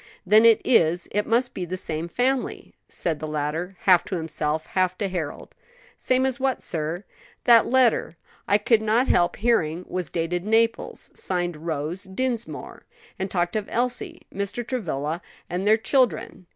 "Then it is, it must be the same family," said the latter, half to himself, half to Harold. "Same as what, sir?" "That letter I could not help hearing was dated Naples, signed Rose Dinsmore, and talked of Elsie, Mr. Travilla, and their children.